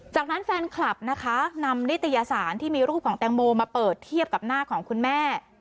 จากนั้นแฟนคลับนะคะนำนิตยสารที่มีรูปของแตงโมมาเปิดเทียบกับหน้าของคุณแม่